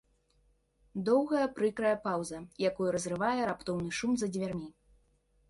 Доўгая, прыкрая паўза, якую разрывае раптоўны шум за дзвярмі.